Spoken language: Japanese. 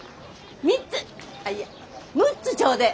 ３つあっいや６つちょうでえ。